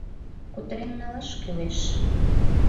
— Кутырен налаш кӱлеш».